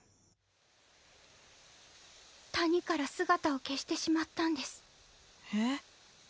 谷から姿を消してしまったんですえっ？